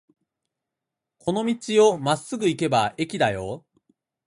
この道をまっすぐ行けば駅だよ。